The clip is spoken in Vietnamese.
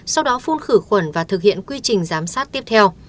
sau đó phun khử khuẩn và thực hiện quy trình giám sát tiếp theo